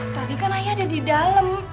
tadi kan ayah ada di dalam